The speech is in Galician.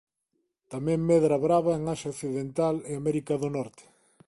Tamén medra brava en Asia occidental e América do Norte.